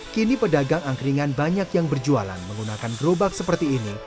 kini pedagang angkringan banyak yang berjualan menggunakan gerobak seperti ini